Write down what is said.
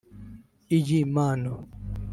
Iyi mpano